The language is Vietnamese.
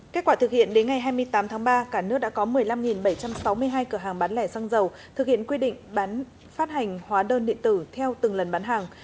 kết quả thực hiện đến ngày hai mươi tám tháng ba cả nước đã có một mươi năm bảy trăm sáu mươi hai cửa hàng bán lẻ xăng dầu thực hiện quy định phát hành hóa đơn điện tử theo từng lần bán hàng